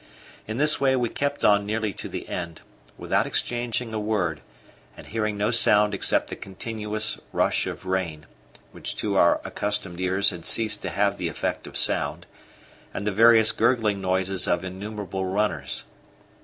In this way we kept on nearly to the end, without exchanging a word, and hearing no sound except the continuous rush of rain, which to our accustomed ears had ceased to have the effect of sound, and the various gurgling noises of innumerable runners.